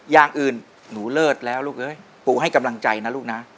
อย่างอื่นหนูเลิศแล้วลูกเอ้ยปูให้กำลังใจนะลูกนะ